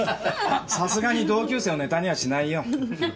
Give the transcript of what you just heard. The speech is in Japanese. さすがに同級生をネタにはしないよ。